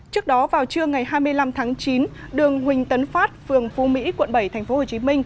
trước đó vào trưa ngày hai mươi năm tháng chín đường huỳnh tấn phát phường phu mỹ quận bảy tp hcm